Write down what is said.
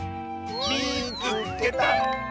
「みいつけた！」。